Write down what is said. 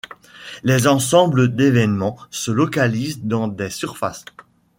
Les ensembles d’événements se localisent dans des surfaces.